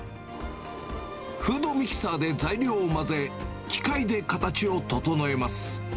フードミキサーで材料を混ぜ、機械で形を整えます。